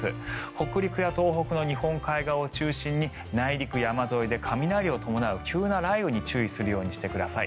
北陸や東北の日本海側を中心に内陸山沿いで雷を伴う急な雷雨に注意するようにしてください。